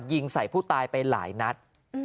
ยิงใส่ผู้ตายไปหลายนัด